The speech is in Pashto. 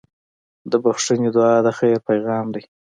د بښنې دعا د خیر پیغام دی.